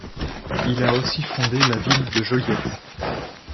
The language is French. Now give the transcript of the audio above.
Il a aussi fondé la ville de Joliette.